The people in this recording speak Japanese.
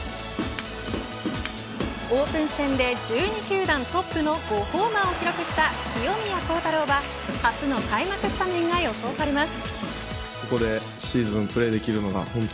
オープン戦で１２球団トップの５ホーマーを記録した清宮幸太郎は初の開幕スタメンが予想されます。